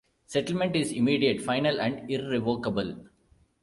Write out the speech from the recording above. Settlement is immediate, final and irrevocable.